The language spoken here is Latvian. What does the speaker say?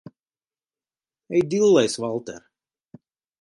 Ej dillēs, Valter!